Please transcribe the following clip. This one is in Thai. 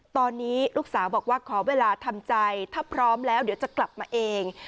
ตอนนี้ลูกสาวบอกว่าขอเวลาทำใจถ้าพร้อมแล้วเดี๋ยวจะกลับมาเอง